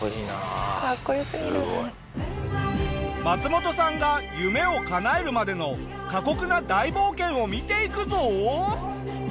マツモトさんが夢をかなえるまでの過酷な大冒険を見ていくぞ！